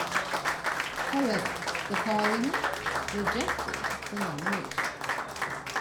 However, the parliament rejected the nomination.